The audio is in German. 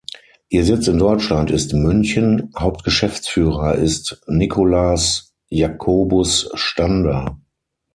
Ihr Sitz in Deutschland ist München; Hauptgeschäftsführer ist Nicolaas Jacobus Stander.